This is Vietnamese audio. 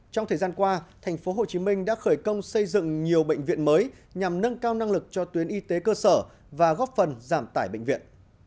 trong thời gian qua thành phố hồ chí minh đã khởi công xây dựng nhiều bệnh viện mới nhằm nâng cao năng lực cho tuyến y tế cơ sở và góp phần giảm tải bệnh viện